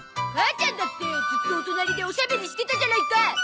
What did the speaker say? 母ちゃんだってずっとお隣でおしゃべりしてたじゃないか！